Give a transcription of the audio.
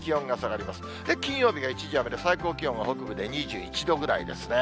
金曜日が一時雨で、最高気温は北部で２１度ぐらいですね。